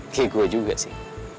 kayak gue juga sih